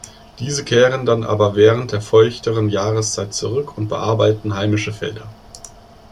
Diese kehren dann aber während der feuchteren Jahreszeit zurück und bearbeiten heimische Felder.